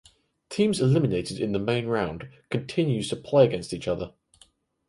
Teams eliminated in the Main round continues to play against each other.